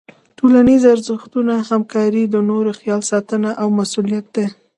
ټولنیز ارزښتونه همکاري، د نورو خیال ساتنه او مسؤلیت دي.